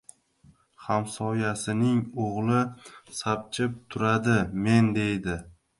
Hamsoyasining o‘g‘li sapchib turadi, men, deydi.